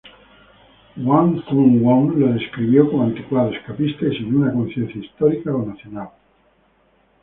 Hwang Sun-won lo describió como anticuado, escapista y sin una conciencia histórica o nacional.